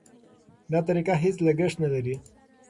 دا طریقه هېڅ لګښت نه لري.